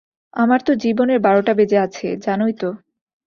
আমার তো জীবনের বারোটা বেজে আছে, জানোই তো?